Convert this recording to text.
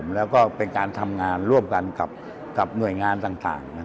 แล้วก็เป็นการทำงานร่วมกันกับหน่วยงานต่าง